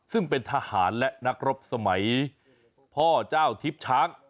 ซึ่งเป็นทหารและนักรบสมัยพ่อเจ้าทิพย์ช้าง